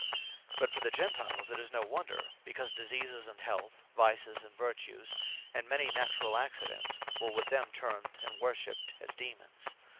But for the Gentiles, 'tis no wonder; because Diseases, and Health; Vices, and Vertues; and many naturall accidents, were with them termed, and worshipped as Daemons.